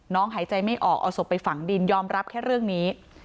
หายใจไม่ออกเอาศพไปฝังดินยอมรับแค่เรื่องนี้